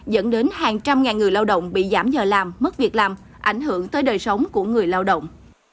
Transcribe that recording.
dẫn đến hàng trăm ngàn người lao động bị giảm giờ làm mất việc làm ảnh hưởng tới đời sống của người lao động